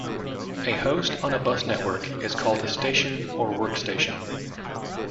A host on a bus network is called a "Station" or "workstation".